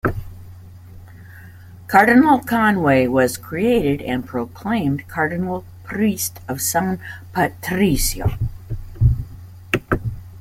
Cardinal Conway was created and proclaimed Cardinal-Priest of San Patrizio.